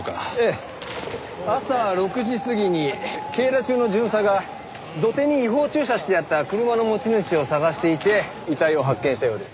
朝６時過ぎに警ら中の巡査が土手に違法駐車してあった車の持ち主を捜していて遺体を発見したようです。